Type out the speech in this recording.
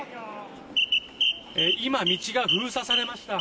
今、道が封鎖されました。